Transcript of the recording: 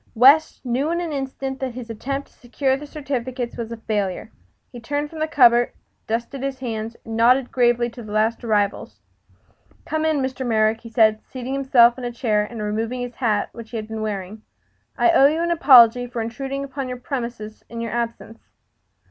West knew in an instant that his attempt to secure the certificates was a failure. He turned from the cupboard, dusted his hands, and nodded gravely to the last arrivals. "Come in, Mr. Merrick," said he, seating himself in a chair and removing his hat, which he had been wearing. "I owe you an apology for intruding upon your premises in your absence."